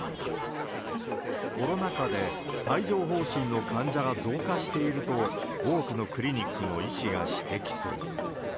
コロナ禍で帯状ほう疹の患者が増加していると、多くのクリニックの医師が指摘する。